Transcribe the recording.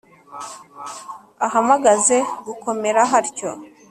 ahamaze gukomera hatyo.